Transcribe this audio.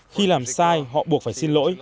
khi làm sai họ buộc phải xin lỗi